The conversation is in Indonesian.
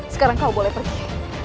sekarang kau boleh pergi